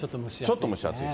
ちょっと蒸し暑い。